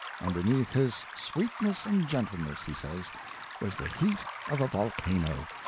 '' Underneath his sweetness and gentleness," he says, " was the heat of a volcano.